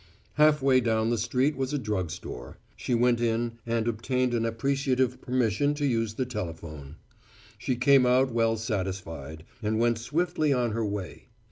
Halfway down the street was a drug store. She went in, and obtained appreciative permission to use the telephone. She came out well satisfied, and went swiftly on her way.